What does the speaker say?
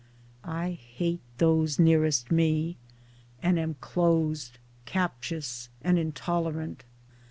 1 hate those nearest me, and am closed, captious and intolerant.